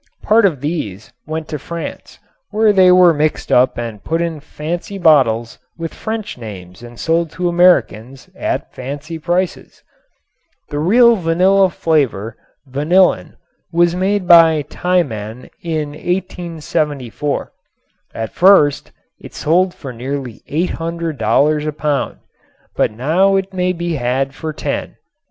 Part of these went to France, where they were mixed and put up in fancy bottles with French names and sold to Americans at fancy prices. The real vanilla flavor, vanillin, was made by Tiemann in 1874. At first it sold for nearly $800 a pound, but now it may be had for $10.